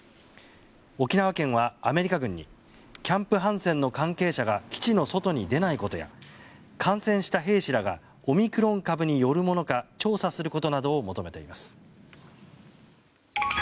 沖縄県は、アメリカ軍にキャンプ・ハンセンの関係者が基地の外に出ないことや感染した兵士らがオミクロン株によるものか調査することなどを求めています。